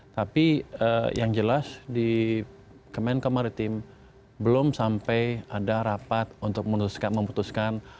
tapi yang jelas di kemenko maritim belum sampai ada rapat untuk memutuskan